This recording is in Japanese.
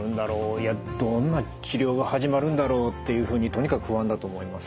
いやどんな治療が始まるんだろう？っていうふうにとにかく不安だと思います。